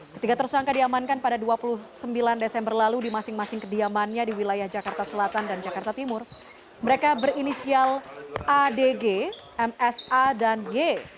ketiga tersangka diamankan pada dua puluh sembilan desember lalu di masing masing kediamannya di wilayah jakarta selatan dan jakarta timur mereka berinisial adg msa dan y